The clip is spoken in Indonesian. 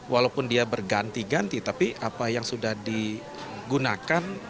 walaupun dia berganti ganti tapi apa yang sudah digunakan